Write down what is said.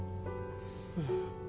うん。